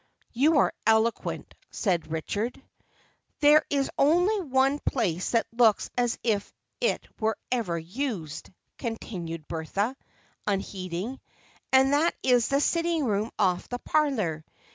"You are eloquent," said Richard. "There is only one place that looks as if it were ever used," continued Bertha, unheeding, "and that's the sitting room off the parlor.